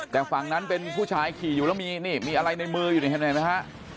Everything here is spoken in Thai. แต่ฝั่งนั้นเป็นผู้ชายขี่อยู่แล้วมีอะไรในมือเห็นไหมฮะ